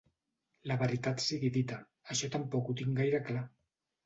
La veritat sigui dita, això tampoc ho tinc gaire clar.